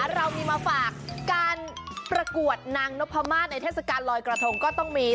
เรามีมาฝากการประกวดนางนพมาศในเทศกาลลอยกระทงก็ต้องมี